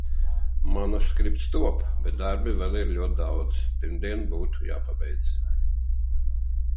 Manuskripts top, bet darbi vēl ir ļoti daudzi. Pirmdien būtu jāpabeidz.